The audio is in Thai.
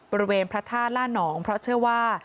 บริเวณพระธาตุล่านองเพราะเชื่อว่า